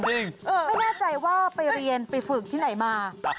ไม่แน่ใจว่าไปเรียนไปฝึกที่ไหนมา